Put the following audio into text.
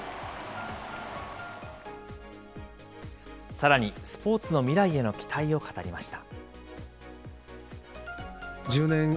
さらに、スポーツの未来への期待を語りました。